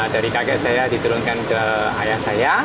dari kakek saya diturunkan ke ayah saya